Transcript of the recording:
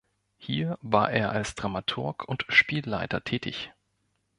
Hier war er als Dramaturg und Spielleiter tätig.